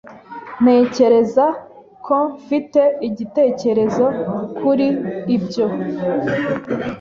Ntekereza ko mfite igitekerezo kuri ibyo.